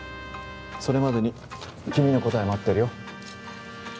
それまでに君の答え待ってるよ。